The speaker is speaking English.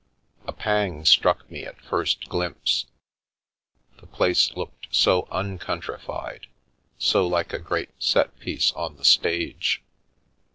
A pang struck me at first glimpse— the place looked so uncountrified, so like a great set piece on the stage.